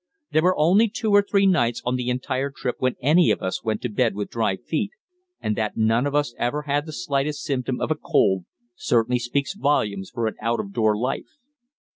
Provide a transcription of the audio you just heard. There were only two or three nights on the entire trip when any of us went to bed with dry feet, and that none of us ever had the slightest symptom of a cold certainly speaks volumes for an out of door life.